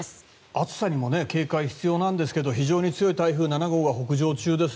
暑さにも警戒が必要なんですが非常に強い台風７号が北上中です。